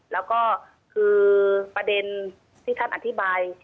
แล้วก็คือประเด็นที่ท่านอธิบาย